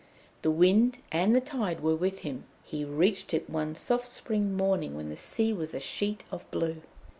The wind and the tide were with him; he reached it one soft spring morning when the sea was a sheet of blue.